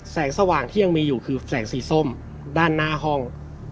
สว่างที่ยังมีอยู่คือแสงสีส้มด้านหน้าห้อง